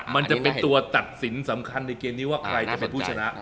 มันจะเป็นตัวตัดสินสำคัญในเกมนี้ว่าใครจะเป็นผู้ชนะ